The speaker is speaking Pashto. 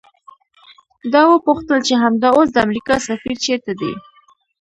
ده وپوښتل چې همدا اوس د امریکا سفیر چیرته دی؟